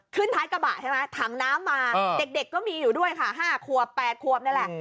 ท้ายกระบะใช่ไหมถังน้ำมาเด็กก็มีอยู่ด้วยค่ะ๕ขวบ๘ขวบนี่แหละ